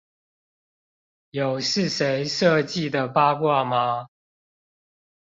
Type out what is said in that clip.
有是誰設計的八卦嗎？